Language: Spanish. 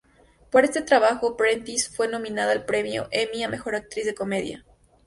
Por este trabajo Prentiss fue nominada al premio Emmy a Mejor Actriz de Comedia.